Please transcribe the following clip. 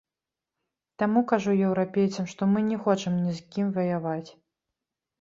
Таму кажу еўрапейцам, што мы не хочам ні з кім ваяваць.